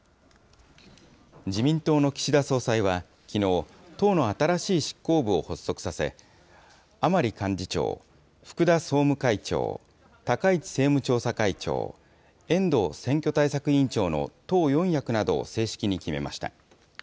自民党の岸田総裁はきのう、党の新しい執行部を発足させ、甘利幹事長、福田総務会長、高市政務調査会長、遠藤選挙対策委員長の党四役などを正式に決めました。